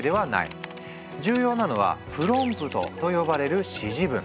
重要なのはプロンプトと呼ばれる指示文。